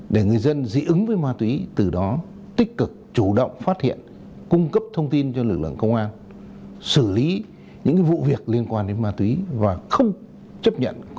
để người dân dị ứng với ma túy từ đó tích cực chủ động phát hiện cung cấp thông tin cho lực lượng công an xử lý những vụ việc liên quan đến ma túy và không chấp nhận